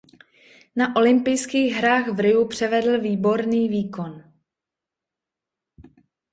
Na olympijských hrách v Riu převedl výborný výkon.